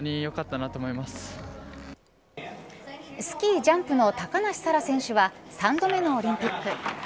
スキージャンプの高梨沙羅選手は３度目のオリンピック。